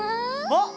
あっ！